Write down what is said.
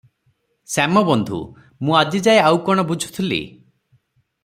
ଶ୍ୟାମବନ୍ଧୁ – ମୁଁ ଆଜି ଯାଏ ଆଉ କ’ଣ ବୁଝୁଥିଲି?